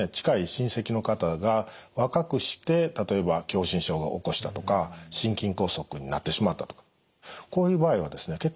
近い親戚の方が若くして例えば狭心症を起こしたとか心筋梗塞になってしまったとかこういう場合はですね